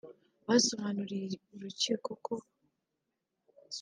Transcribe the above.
Basobanuriye urukiko ko